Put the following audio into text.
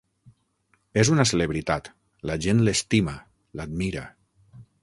És una celebritat: la gent l'estima, l'admira.